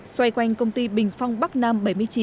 xoay quanh công ty bình phong bắc nam bảy mươi chín